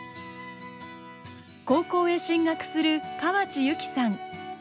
高校へ進学する河内優希さん。